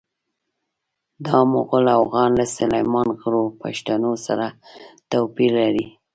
دا مغول اوغان له سلیمان غرو پښتنو سره توپیر لري.